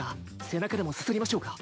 背中でもさすりましょうか？